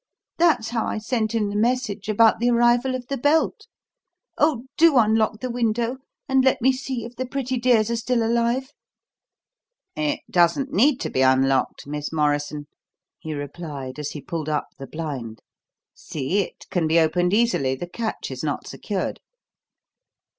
That's how I sent him the message about the arrival of the belt. Oh, do unlock the window, and let me see if the pretty dears are still alive." "It doesn't need to be unlocked, Miss Morrison," he replied, as he pulled up the blind. "See, it can be opened easily the catch is not secured."